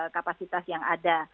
kapasitas yang ada